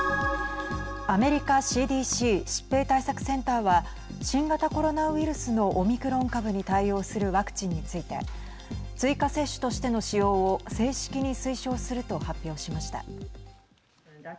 アメリカＣＤＣ＝疾病対策センターは新型コロナウイルスのオミクロン株に対応するワクチンについて追加接種としての使用を正式に推奨すると発表しました。